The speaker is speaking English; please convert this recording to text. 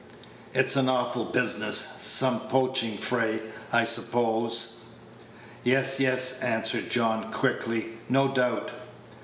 It's an awful business. Some poaching fray, I suppose." "Yes, yes," answered John, quickly, "no doubt."